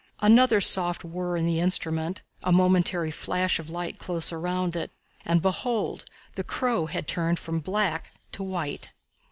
Another soft whirr in the instrument, a momentary flash of light close around it, and, behold, the crow had turned from black to white!